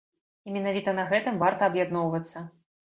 І менавіта на гэтым варта аб'ядноўвацца.